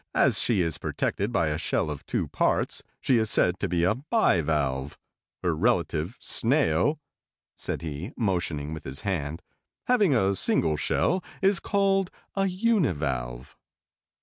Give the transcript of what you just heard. As she is protected by a shell of two parts, she is said to be a bi valve. Her relative, Snail," said he, motioning with his hand, "having a single shell is called a uni valve."